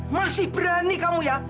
masih berani kamu ya